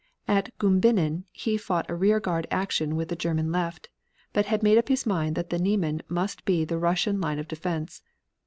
At Gumbinnen he fought a rear guard action with the German left, but had made up his mind that the Niemen must be the Russian line of defense.